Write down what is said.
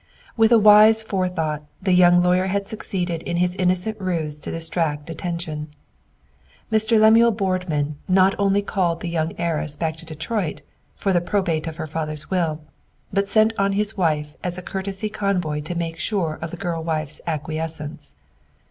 With a wise forethought, the young lawyer had succeeded in his innocent ruse to distract attention. Mr. Lemuel Boardman not only called the young heiress back to Detroit, for the probate of her father's will, but sent on his wife as a courteous convoy to make sure of the girl wife's acquiescence.